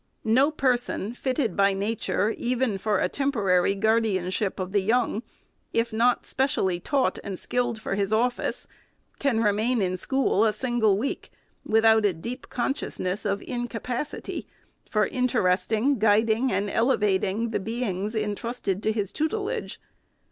No person, fitted by Nature even for a temporary guardianship of the young, if not specially taught and skilled for his office, can re main in school a single week, without a deep conscious ness of incapacity for interesting, guiding, and elevating the beings intrusted to his tutelage.